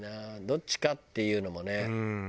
どっちかっていうのもね。